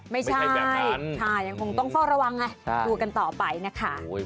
ไม่ใช่แบบนั้นยังคงต้องเฝ้าระวังไงกลัวกันต่อไปเนี่ยค่ะ